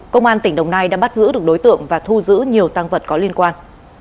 công an tỉnh đồng nai đã bắt giữ được đối tượng và thu giữ nhiều tăng vật có liên quan